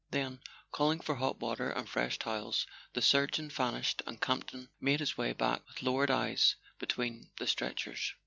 Then, calling for hot water and fresh towels, the surgeon vanished and Campton made his way back with lowered eyes between the stretchers.